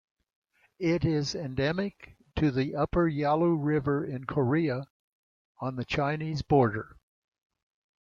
It is endemic to the upper Yalu River in Korea, on the Chinese border.